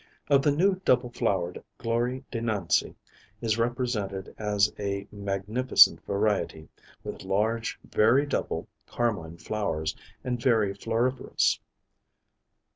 Of the new double flowered, Glorie de Nancy is represented as a magnificent variety, with large very double carmine flowers, and very floriferous.